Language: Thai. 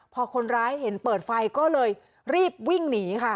พอคนร้ายเห็นเปิดไฟก็เลยรีบวิ่งหนีค่ะ